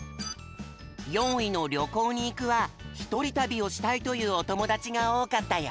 ４いの「りょこうにいく」はひとりたびをしたいというおともだちがおおかったよ。